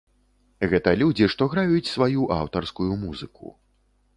Гэта людзі, што граюць сваю аўтарскую музыку.